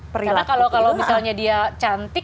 karena kalau misalnya dia cantik